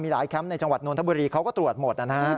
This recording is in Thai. หลายแคมป์ในจังหวัดนทบุรีเขาก็ตรวจหมดนะฮะ